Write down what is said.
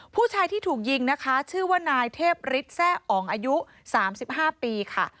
ผู้ชายที่ถูกยิงนะคะชื่อว่านายเทพฤทธิแร่องอายุ๓๕ปีค่ะ